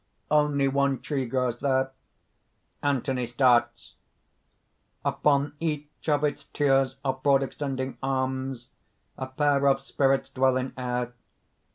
Only one tree grows there. (Anthony starts). "Upon each of its tiers of broad extending arms, a pair of Spirits dwell in air.